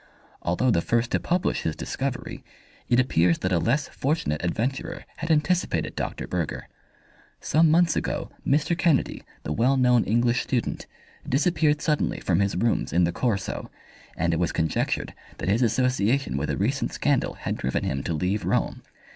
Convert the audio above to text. Although the first to publish his discovery, it appears that a less fortunate adventurer had anticipated Dr. Burger. Some months ago Mr. Kennedy, the well known English student, disappeared suddenly from his rooms in the "Corso", and it was conjectured that his association with a recent scandal had driven him to leave Rome.